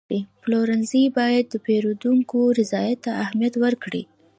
پلورنځی باید د پیرودونکو رضایت ته اهمیت ورکړي.